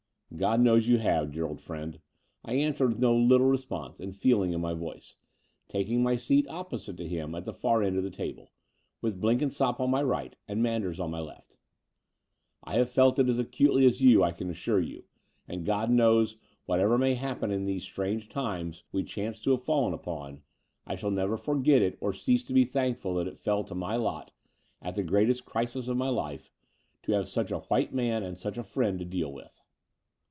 "God knows you have, dear old friend," I answered with no little response and feeling in my voice, taking my seat opposite to him at the far end of the table, with Blenkinsopp on my right and Manders on my left. "I have felt it as acutely as you, I can assure you; and God knows, whatever may happen in these strange times we chance to have fallen upon, I shall never forget it or cease to be thankful that it fell to my lot, at the greatest crisis of my life, to have such a white man and such a friend to deal with.